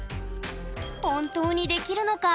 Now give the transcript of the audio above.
本当にできるのか。